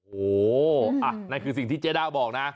โอ้โหนั่นคือสิ่งที่เจ๊ด้าบอกนะ